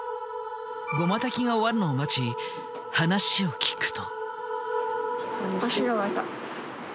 護摩焚きが終わるのを待ち話を聞くと。